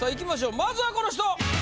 まずはこの人。